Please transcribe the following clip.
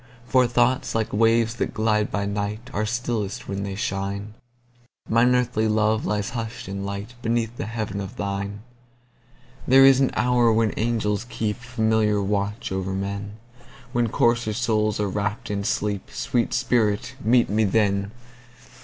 For thoughts, like waves that glide by night, Are stillest when they shine; Mine earthly love lies hush'd in lightBeneath the heaven of thine. There is an hour when angels keepFamiliar watch o'er men, When coarser souls are wrapp'd in sleep—Sweet spirit, meet me then!